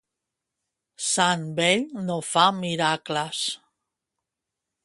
Sant vell no fa miracles.